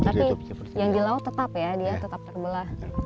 tapi yang di laut tetap ya dia tetap terbelah